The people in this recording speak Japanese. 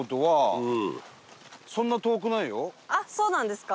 あっそうなんですか？